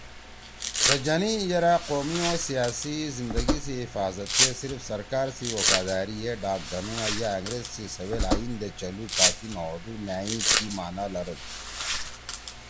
سے جنی یرأ قومی او سیاسی زندگی سی حفاظت کے صرف سرکار سی وفادأری ئے ڈاک گھنُو یا انگریز سی سویل آئین دے چلُو کافی نہ ہودُو نأئی کی معنیٰ نہ لرَدُو